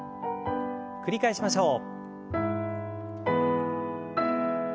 繰り返しましょう。